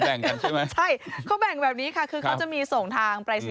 เป็นยังไงรังวัล